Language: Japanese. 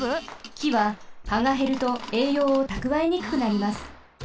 きははがへるとえいようをたくわえにくくなります。